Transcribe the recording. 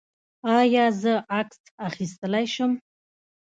ایا زه عکس اخیستلی شم؟